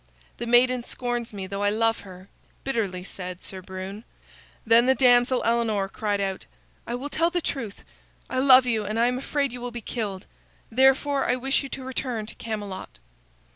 "The maiden scorns me, though I love her," bitterly said Sir Brune. Then the damsel Elinor cried out: "I will tell the truth. I love you and I am afraid you will be killed. Therefore, I wish you to return to Camelot."